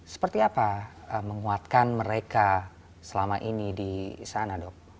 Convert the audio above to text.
seperti apa menguatkan mereka selama ini di sana dok